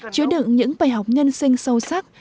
chứa đựng những bài học nhân sinh sâu sắc